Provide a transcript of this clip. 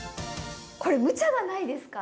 これむちゃじゃないですか？